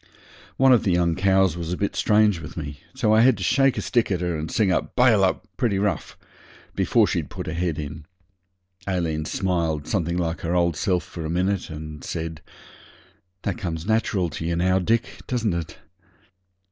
One of the young cows was a bit strange with me, so I had to shake a stick at her and sing out 'Bail up' pretty rough before she'd put her head in. Aileen smiled something like her old self for a minute, and said 'That comes natural to you now, Dick, doesn't it?'